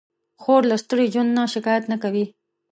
خور له ستړي ژوند نه شکایت نه کوي.